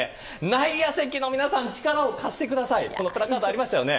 内野席の皆さん、力を貸してくださいというプラカードがありました。